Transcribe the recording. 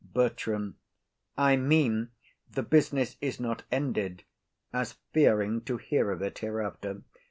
BERTRAM. I mean the business is not ended, as fearing to hear of it hereafter.